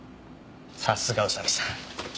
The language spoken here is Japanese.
さすが宇佐見さん。